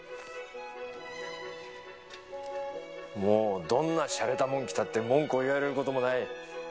もうどんなシャレたもんを着たって文句を言われることもない。